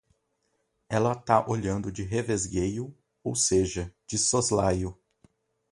Ela tá olhando de revesgueio, ou seja, de soslaio